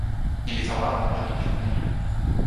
ni li tawa ala pali pi lipu ni.